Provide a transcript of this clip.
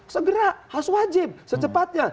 segera has wajib secepatnya